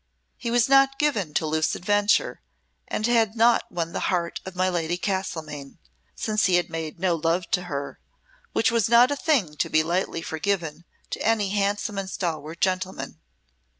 He was not given to loose adventure, and had not won the heart of my Lady Castlemaine, since he had made no love to her, which was not a thing to be lightly forgiven to any handsome and stalwart gentleman.